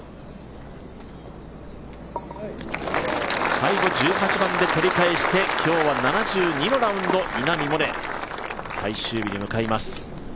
最後１８番で取り返して今日は７２のラウンド稲見萌寧、最終日に向かいます。